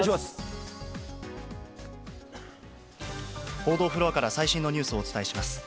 報道フロアから、最新のニュースをお伝えします。